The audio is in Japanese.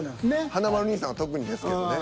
華丸兄さんは特にですけどね。